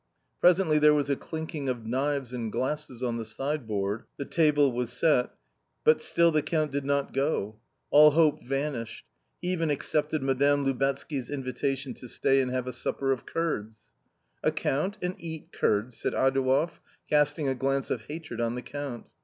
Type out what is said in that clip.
Presently there was a clinking of knives and glasses on the sideboard, the table was set, but still the Count did not go. All hope vanished. He even accepted Madame Lubetzky's invitation to stay and have a supper of curds. " A Count, and eat curds !" said Adouev, casting a glance of hatred on the Count.